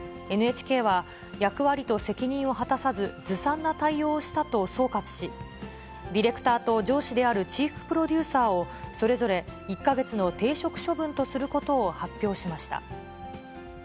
ＮＨＫは、役割と責任を果たさず、ずさんな対応をしたと総括し、ディレクターと、上司であるチーフプロデューサーを、それぞれ１か月の停職処分とすることを発表しました。